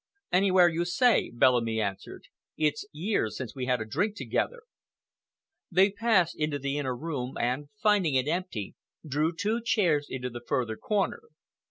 "Anywhere you say," Bellamy answered. "It's years since we had a drink together." They passed into the inner room and, finding it empty, drew two chairs into the further corner.